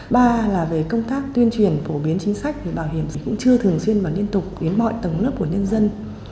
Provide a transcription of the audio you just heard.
ba là về công tác tuyên truyền phổ biến chính sách về bảo hiểm thì cũng chưa thường xuyên và liên tục đến mọi tầng lớp của nhân dân